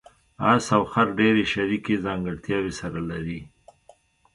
اس او خر ډېرې شریکې ځانګړتیاوې سره لري.